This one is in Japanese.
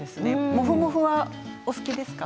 もふもふはお好きですか？